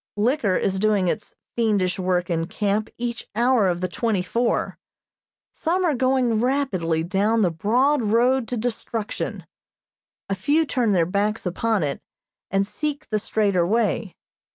Liquor is doing its fiendish work in camp each hour of the twenty four. Some are going rapidly down the broad road to destruction; a few turn their backs upon it, and seek the straighter way.